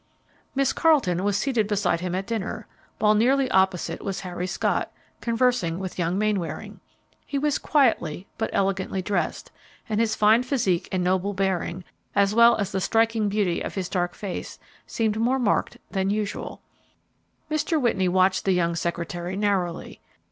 Miss Carleton was seated beside him at dinner, while nearly opposite was Harry Scott, conversing with young Mainwaring. He was quietly but elegantly dressed, and his fine physique and noble bearing, as well as the striking beauty of his dark face, seemed more marked than usual. Mr. Whitney watched the young secretary narrowly.